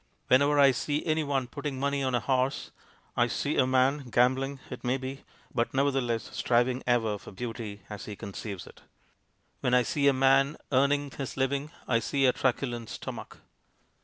Whenever I see any one putting money on a horse I see a man, gambling it may be, but, nevertheless, striv ing ever for beauty as he conceives it. When 214 MONOLOGUES I see a man earning his living I see a trucu lent stomach.